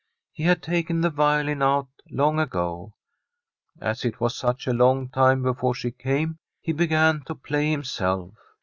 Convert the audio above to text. He had taken the violin out long ago. As it was such a long time before she came, he began to play himself.